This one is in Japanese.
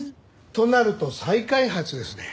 となると再開発ですね。